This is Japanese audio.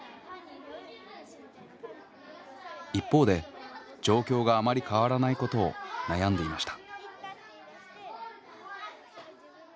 一方で状況があまり変わらないことを悩んでいました。